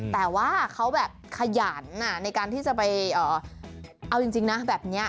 แต่ว่าเขาแบบขยันในการที่จะไปเอาจริงนะแบบนี้